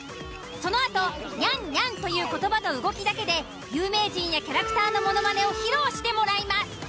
そのあと「にゃんにゃん」という言葉と動きだけで有名人やキャラクターのものまねを披露してもらいます。